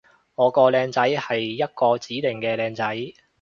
我個靚仔係一個指定嘅靚仔